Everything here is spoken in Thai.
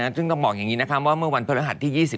ซึ่งต้องบอกอย่างนี้ว่าเมื่อวันพฤหัสที่๒๕